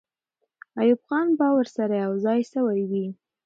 ایوب خان به ورسره یو ځای سوی وي.